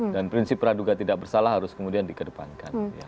dan prinsip raduga tidak bersalah harus kemudian dikedepankan